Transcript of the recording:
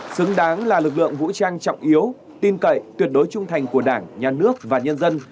xứng đáng là lực lượng vũ trang trọng yếu tin cậy tuyệt đối trung thành của đảng nhà nước và nhân dân